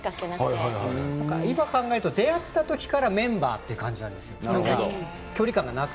今考えると出会った時からメンバーという感じなんです。